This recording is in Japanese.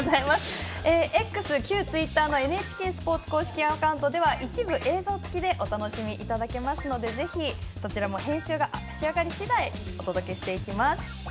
Ｘ、旧ツイッターのＮＨＫスポーツ公式アカウントでは一部映像付きでお楽しみいただけますのでぜひ編集がアップ次第お届けしていきます。